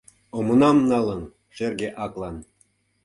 Омынам налын шерге аклан